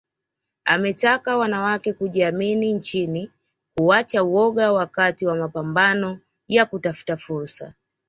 Ametaka wanawake kujiamini nchini kuacha woga wakati wa mapambano ya kutafuta fursa